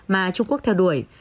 mà trung quốc theo đuổi